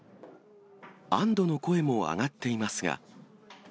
安どの声も上がっていますが。